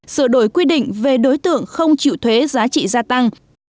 sửa đổi quy định về đối tượng không chịu thuế giá trị gia tăng